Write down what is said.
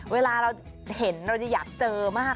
เวลาเราเห็นเราจะอยากเจอมาก